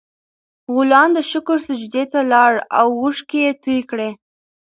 غلام د شکر سجدې ته لاړ او اوښکې یې تویې کړې.